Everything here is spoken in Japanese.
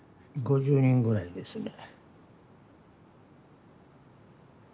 ５０人ぐらいですね。